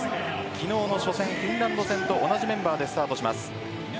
昨日の初戦、フィンランド戦と同じメンバーでスタートします。